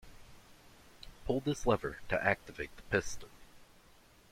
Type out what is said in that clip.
Pull this lever to activate the piston.